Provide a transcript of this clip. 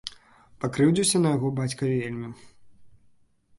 Пакрыўдзіўся на яго бацька вельмі.